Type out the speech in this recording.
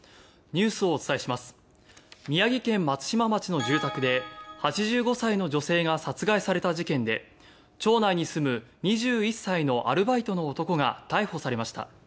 宮城県松島町の住宅で８５歳の女性が殺害された事件で町内に住む２１歳のアルバイトの男が逮捕されました。